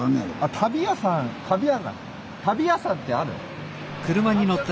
足袋屋さんってある？